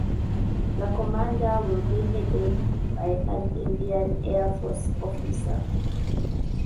The command will be headed by an Indian Air Force officer.